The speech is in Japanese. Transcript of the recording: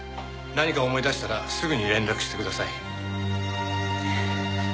何か思い出したらすぐに連絡してください。